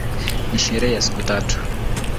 Ni sherehe ya siku tatu.